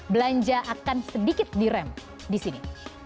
belanja akan sedikit direm di sini